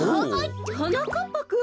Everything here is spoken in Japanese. はなかっぱくん。